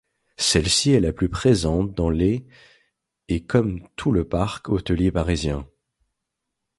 Celle-ci est la plus présente dans les et comme tout le parc hôtelier parisien.